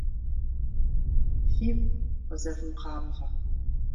Фигу къызэвмыгъабгъэ.